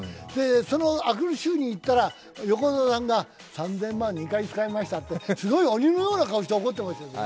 その明くる週に行ったら、横沢さんが、３０００万、２度使いましたってすごい鬼のような顔して怒ってました。